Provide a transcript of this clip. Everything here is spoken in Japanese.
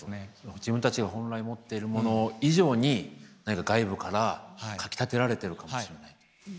自分たちが本来持ってるもの以上に何か外部からかきたてられてるかもしれないと。